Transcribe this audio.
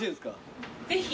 ぜひ。